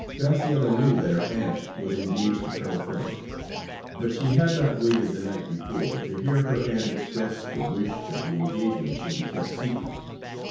Graciella knew that her aunt was engaged to Colonel French. But she had not waited, the night before, to hear her aunt express the wish that the engagement should be kept secret.